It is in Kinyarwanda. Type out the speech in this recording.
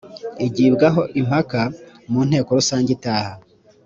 igibwaho impaka mu nteko rusange itaha